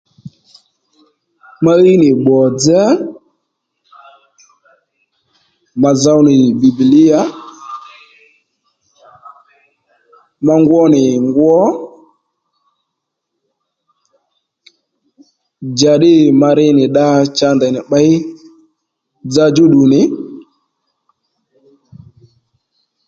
Ma ɦíy nì bbò dzá, ma zow nì bìbìlíya, ma ngwo nì ngwo, njàddǐ ma ri nì dda cha ndèy nì pběy dza djúddù nì